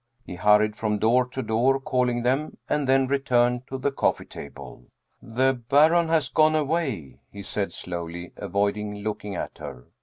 He hurried from door to door, calling them, and then re turned to the coffee table. " The Baron has gone away," he said slowly, avoiding looking at her.